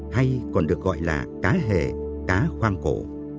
hay còn được gọi là cá hề cá khoang cổ